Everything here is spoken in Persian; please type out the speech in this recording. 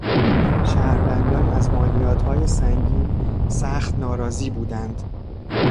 شهروندان از مالیاتهای سنگین سخت ناراضی بودند.